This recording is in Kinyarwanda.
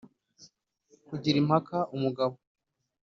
kugira impaka umugabo